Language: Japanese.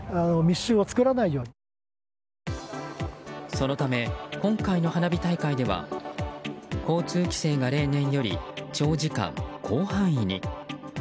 そのため、今回の花火大会では交通規制が例年より長時間、広範囲に。